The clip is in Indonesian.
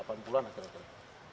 sampai delapan puluh an akhir akhir